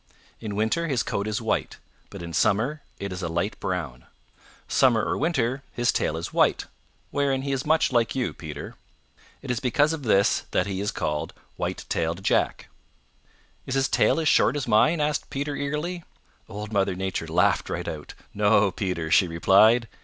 In winter his coat is white, but in summer it is a light brown. Summer or winter his tail is white, wherein he is much like you, Peter. It is because of this that he is called White tailed Jack." "Is his tail as short as mine?" asked Peter eagerly. Old Mother Nature laughed right out. "No, Peter," she replied.